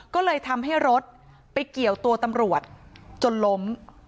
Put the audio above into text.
ก็เลยทำให้รถไปเกี่ยวตัวตำรวจจนล้ม